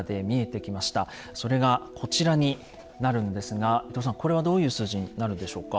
それがこちらになるんですが伊藤さんこれはどういう数字になるんでしょうか？